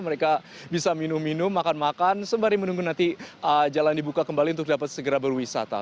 mereka bisa minum minum makan makan sembari menunggu nanti jalan dibuka kembali untuk dapat segera berwisata